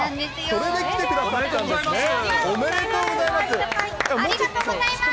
それで来てくださったんですおめでとうございます。